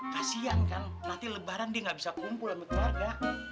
kasian kan nanti lebaran dia nggak bisa kumpul sama keluarga